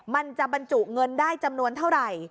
มันจะบรรจุเงินได้จำนวนเท่าไหร่